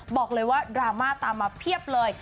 บอกเลยว่าดราม่าตามมาเพียบเลย